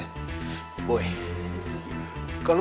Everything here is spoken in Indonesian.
karena cuman ian yang tau breatain dia